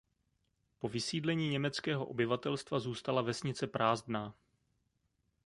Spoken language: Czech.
Po vysídlení německého obyvatelstva zůstala vesnice prázdná.